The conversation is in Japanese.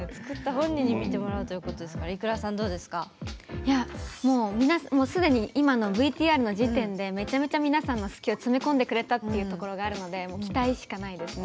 いやもうすでに今のＶＴＲの時点でめちゃめちゃ皆さんの好きを詰め込んでくれたっていうところがあるのでもう期待しかないですね。